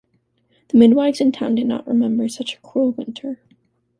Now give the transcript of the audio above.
The midwives in town did not remember such a cruel winter.